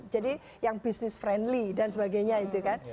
jadi yang business friendly dan sebagainya gitu kan